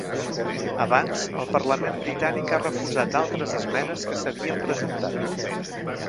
Abans, el parlament britànic ha refusat altres esmenes que s’havien presentat.